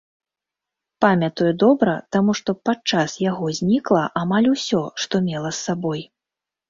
Памятаю добра, таму што падчас яго знікла амаль усё, што мела з сабой.